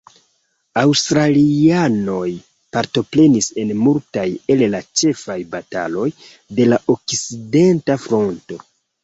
Aŭstralianoj partoprenis en multaj el la ĉefaj bataloj de la Okcidenta Fronto.